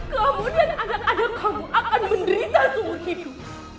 kamu dan anak anak kamu akan menderita seumur hidup